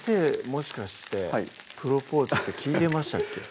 もしかしてプロポーズって聞いてましたっけ？